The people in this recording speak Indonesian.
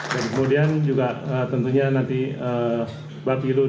dan kemudian juga tentunya nanti bapilu di